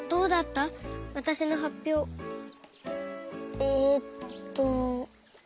えっと。